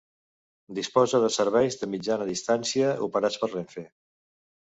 Disposa de serveis de Mitjana Distància operats per Renfe.